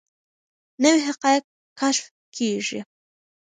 نوي حقایق کشف کیږي.